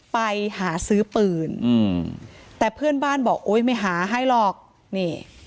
ไปหาซื้อปืนอืมแต่เพื่อนบ้านบอกโอ้ยไม่หาให้หรอกนี่